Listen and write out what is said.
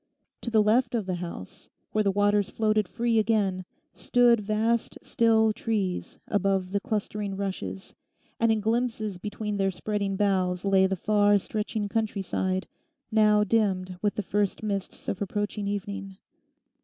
To the left of the house, where the waters floated free again, stood vast, still trees above the clustering rushes; and in glimpses between their spreading boughs lay the far stretching countryside, now dimmed with the first mists of approaching evening.